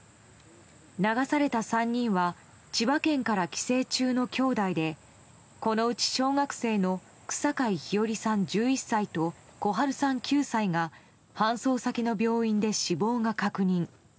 流された３人は千葉県から帰省中のきょうだいでこのうち小学生の草皆陽愛さん、１１歳と心陽さん、９歳が搬送先の病院で死亡が確認。